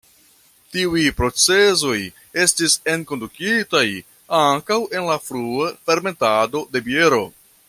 Tiuj procezoj estis enkondukitaj ankaŭ en la frua fermentado de biero.